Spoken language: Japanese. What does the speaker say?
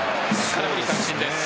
空振り三振です。